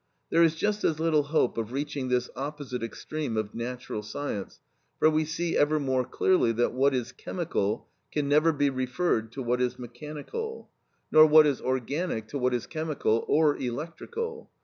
There is just as little hope of reaching this opposite extreme of natural science, for we see ever more clearly that what is chemical can never be referred to what is mechanical, nor what is organic to what is chemical or electrical.